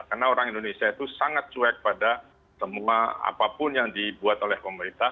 karena orang indonesia itu sangat cuek pada semua apapun yang dibuat oleh pemerintah